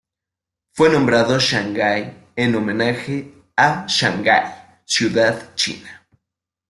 Fue nombrado Shanghai en homenaje a Shanghái ciudad China.